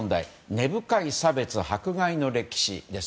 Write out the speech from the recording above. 根深い差別・迫害の歴史です。